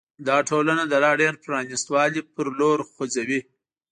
دا ټولنه د لا ډېر پرانیست والي په لور خوځوي.